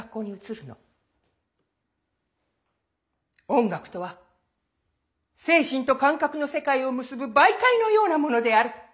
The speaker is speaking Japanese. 音楽とは精神と感覚の世界を結ぶ媒介のようなものである。